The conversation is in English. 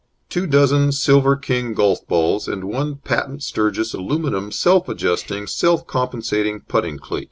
_Two dozen Silver King Golf balls and one patent Sturgis Aluminium Self Adjusting, Self Compensating Putting Cleek.